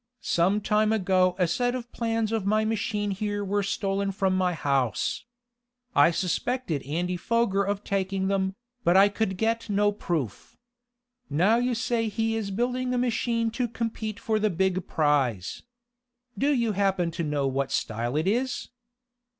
Some time ago a set of plans of my machine here were stolen from my house. I suspected Andy Foger of taking them, but I could get no proof. Now you say he is building a machine to compete for the big prize. Do you happen to know what style it is?"